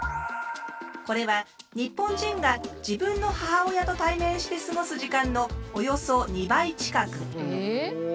これは日本人が自分の母親と対面して過ごす時間のおよそ２倍近く。